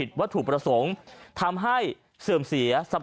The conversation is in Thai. ท่านพรุ่งนี้ไม่แน่ครับ